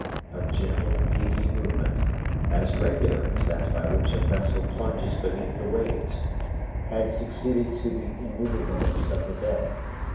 A gentle, easy movement, as regular as that by which a vessel plunges beneath the waves, had succeeded to the immovableness of the bed.